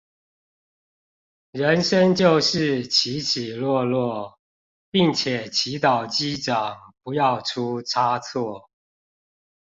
人生就是起起落落，並且祈禱機長不要出差錯